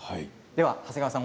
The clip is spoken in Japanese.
では長谷川さん